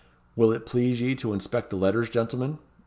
Will it please ye to inspect the letters, gentlemen?"